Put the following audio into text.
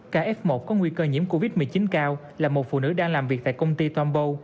k f một có nguy cơ nhiễm covid một mươi chín cao là một phụ nữ đang làm việc tại công ty tombow